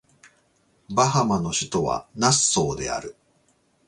バハマの首都はナッソーである